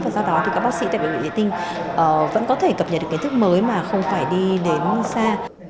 và do đó thì các bác sĩ tại bệnh viện vệ tinh vẫn có thể cập nhật được kiến thức mới mà không phải đi đến xa